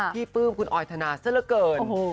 ที่ปื้มคุณออยทนาซะละเกิน